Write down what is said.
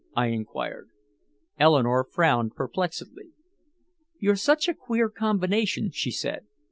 I inquired. Eleanore frowned perplexedly. "You're such a queer combination," she said.